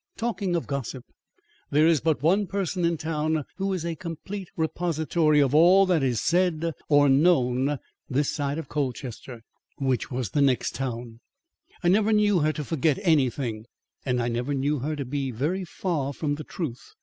"Talking of gossip, there is but one person in town who is a complete repository of all that is said or known this side of Colchester." (The next town.) "I never knew her to forget anything; and I never knew her to be very far from the truth.